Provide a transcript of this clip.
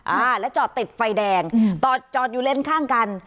อ่าแล้วจอดติดไฟแดงจอดจอดอยู่เลนข้างกัน